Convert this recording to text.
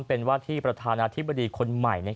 เป็นว่าที่ประธานาธิบดีคนใหม่